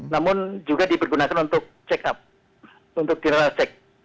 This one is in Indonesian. namun juga dipergunakan untuk check up untuk tidak cek